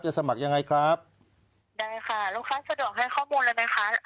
สมัครยังไงครับได้ค่ะลูกค้าสะดวกให้ข้อมูลอะไรไหมคะ